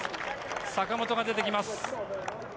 坂本が出てきます。